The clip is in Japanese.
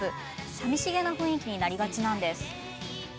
寂しげな雰囲気になりがちなんです。